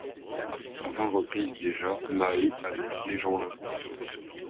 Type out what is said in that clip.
À vingt reprises déjà, Maheu avait appelé Jeanlin.